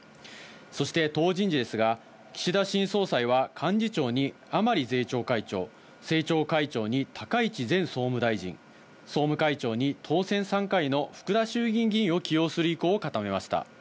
そして、党人事ですが、岸田新総裁は幹事長に、甘利税調会長、政調会長に高市前総務大臣、総務会長に当選３回の福田衆議院議員を起用する意向を固めました。